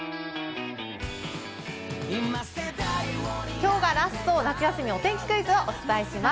きょうがラスト、夏休みお天気クイズをお伝えします。